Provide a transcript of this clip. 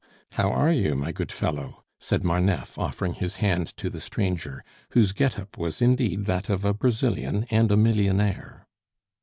"How are you, my good fellow?" said Marneffe, offering his hand to the stranger, whose get up was indeed that of a Brazilian and a millionaire.